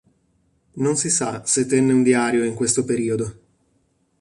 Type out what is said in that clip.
Non si sa se tenne un diario in questo periodo.